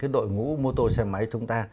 đội ngũ mô tô xe máy chúng ta